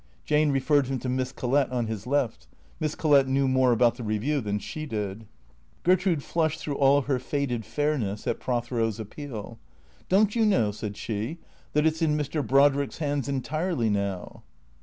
Jane referred him to Miss Collett on his left. Miss Collett knew more about the Eeview than she did. Gertrude flushed through all her faded fairness at Prothero's appeal. " Don't you know," said she, " that it 's in Mr. Brodrick's hands entirely now